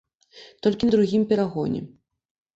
Толькі на другім перагоне.